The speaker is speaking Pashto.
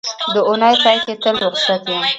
د اونۍ پای کې تل روخصت یم